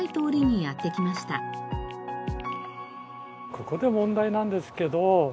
ここで問題なんですけど。